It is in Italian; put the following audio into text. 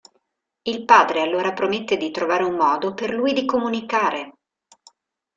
Il padre allora promette di trovare un modo per lui di comunicare.